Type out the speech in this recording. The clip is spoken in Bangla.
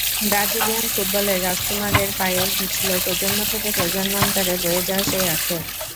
ব্রাজিলিয়ান ফুটবলের রাজকুমারের পায়েই ঘুচল প্রজন্ম থেকে প্রজন্মান্তরে বয়ে যাওয়া সেই আক্ষেপ।